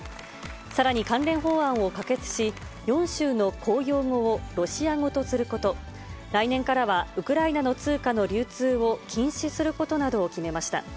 さらに、関連法案を可決し、４州の公用語をロシア語とすること、来年からはウクライナの通貨の流通を禁止することなどを決めました。